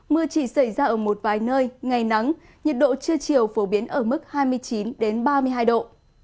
mưa chỉ xảy ra ở một vài nơi ngày nắng nhiệt độ trưa chiều phổ biến ở mức hai mươi chín ba mươi hai độ